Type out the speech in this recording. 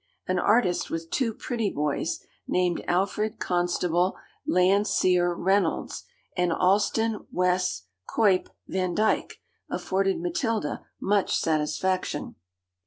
An artist with two pretty boys, named Alfred Constable Landseer Reynolds and Allston West Cuyp Vandyke, afforded Matilda much satisfaction.